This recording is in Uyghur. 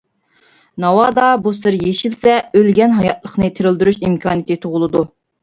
ناۋادا بۇ سىر يېشىلسە، ئۆلگەن ھاياتلىقنى تىرىلدۈرۈش ئىمكانىيىتى تۇغۇلىدۇ.